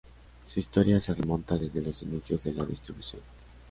Su historia se remonta desde los inicios de la distribución.